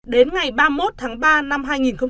đến ngày ba mươi một tháng ba năm hai nghìn một mươi tám